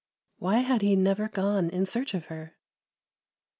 Why had he never gone in search of her?